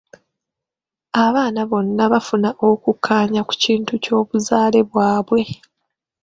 Abaana bonna bafuna okukkaanya ku kintu ky'obuzaale bwabwe.